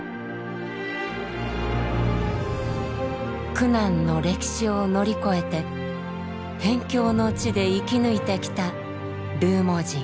苦難の歴史を乗り越えて辺境の地で生き抜いてきたルーモ人。